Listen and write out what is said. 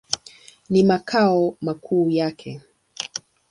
Ni makao makuu yake.